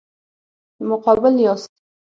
مقابل یاست.